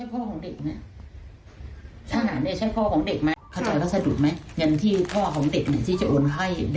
พระเกจิอาจารย์ชื่อดังไปดูนะครับทุกผู้ชมครับ